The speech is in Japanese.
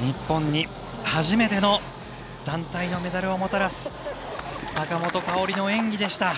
日本に初めての団体のメダルをもたらす坂本花織の演技でした。